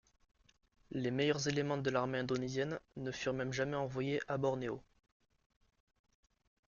Les meilleurs éléments de l'armée indonésienne ne furent même jamais envoyés à Bornéo.